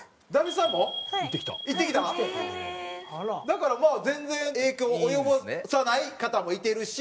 だからまあ全然影響を及ぼさない方もいてるし。